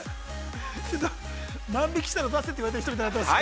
万引きしたの出せと言われた人みたいになっています。